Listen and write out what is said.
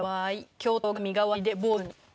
教頭が身代わりで坊主に。